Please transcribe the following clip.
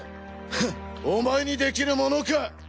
ハッお前にできるものか！